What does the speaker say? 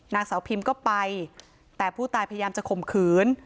นางสาวพิมก็ไปแต่ผู้ตายพยายามจะข่มขืน